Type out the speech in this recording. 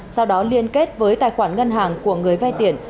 sau đó liên kết với tài khoản ngân hàng của người vay tiền